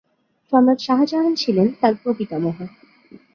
সম্রাট শাহ জাহান ছিলেন তার প্রপিতামহ।